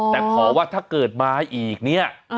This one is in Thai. แต่ขอว่าถ้าเกิดมาอีกเนี่ย